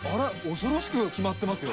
恐ろしく決まってますよ